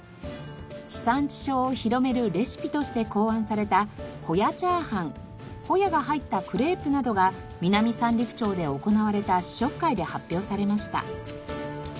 地産地消を広めるレシピとして考案されたホヤチャーハンホヤが入ったクレープなどが南三陸町で行われた試食会で発表されました。